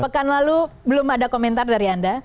pekan lalu belum ada komentar dari anda